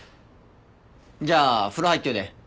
じゃあ風呂入っといで。